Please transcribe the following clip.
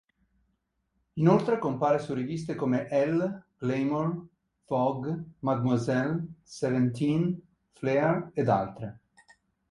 Inoltre compare su riviste come "Elle", "Glamour", "Vogue", "Mademoiselle", "Seventeen", "Flare" ed altre.